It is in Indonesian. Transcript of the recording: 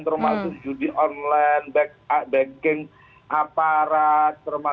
termasuk judi online backing aparat